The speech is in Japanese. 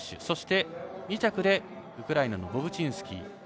そして２着でウクライナのボブチンスキー。